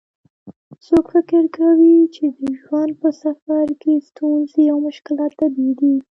څوک فکر کوي چې د ژوند په سفر کې ستونزې او مشکلات طبیعي دي